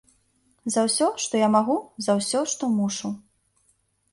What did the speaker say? За ўсё, што я магу, за ўсё, што мушу.